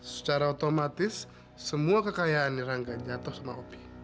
secara otomatis semua kekayaan dirangkai jatuh sama opi